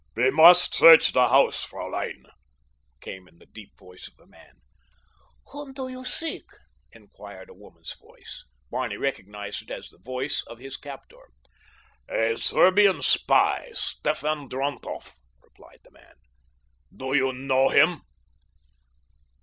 "We must search the house, fraulein," came in the deep voice of a man. "Whom do you seek?" inquired a woman's voice. Barney recognized it as the voice of his captor. "A Serbian spy, Stefan Drontoff," replied the man. "Do you know him?"